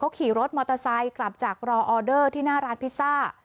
ขี่รถมอเตอร์ไซค์กลับจากรอออเดอร์ที่หน้าร้านพิซซ่า